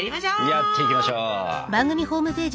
やっていきましょう！